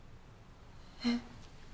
えっ。